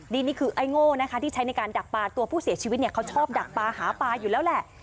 นี่คือไอ้โง่นะคะที่ใช้ในการดักปลาตัวผู้เสียชีวิตเนี่ยเขาชอบดักปลาหาปลาอยู่แล้วแหละ